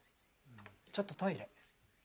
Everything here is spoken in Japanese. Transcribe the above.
ちょっとトイレ。